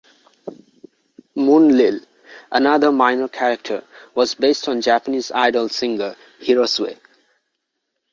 Moonlil, another minor character, was based on Japanese idol singer Hirosue.